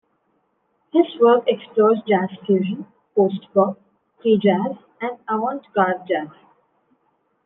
His work explores jazz fusion, post bop, free jazz, and avant-garde jazz.